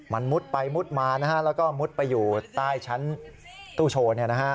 มันมุดไปมุดมานะฮะแล้วก็มุดไปอยู่ใต้ชั้นตู้โชว์